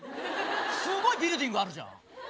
すごいビルディングあるじゃん。